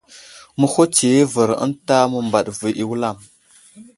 Məhutsiyo i avər ənta məmbaɗ vo i wulam.